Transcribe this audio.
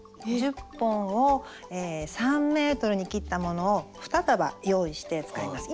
１０本を３ｍに切ったものを２束用意して使います。